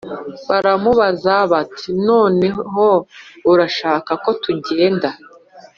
baramubaza bati Noneho urashaka ko tugenda